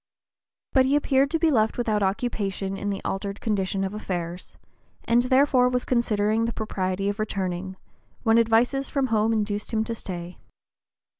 But he appeared to be left without occupation in the altered condition of affairs, and (p. 021) therefore was considering the propriety of returning, when advices from home induced him to stay.